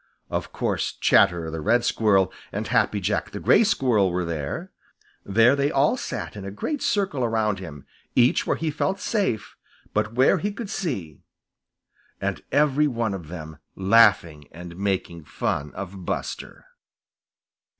Of course, Chatterer the Red Squirrel and Happy Jack the Gray Squirrel were there. There they all sat in a great circle around him, each where he felt safe, but where he could see, and every one of them laughing and making fun of Buster.